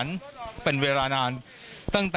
และมีความหวาดกลัวออกมา